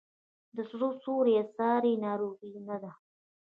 د زړه سوری ساري ناروغي نه ده.